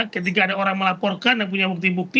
ketika ada orang melaporkan dan punya bukti bukti